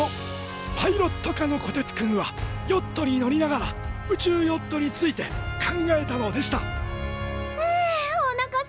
パイロット科のこてつくんはヨットに乗りながら宇宙ヨットについて考えたのでしたふおなかすいた！